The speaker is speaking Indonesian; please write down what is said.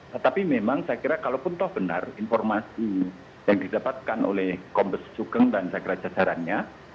tetapi memang saya kira kalau pun tahu benar informasi yang didapatkan oleh kompes sukeng dan saya kira jajarannya